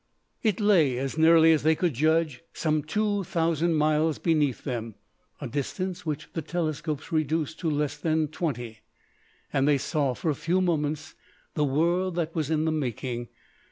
It lay, as nearly as they could judge, some two thousand miles beneath them, a distance which the telescopes reduced to less than twenty; and they saw for a few moments the world that was in the making.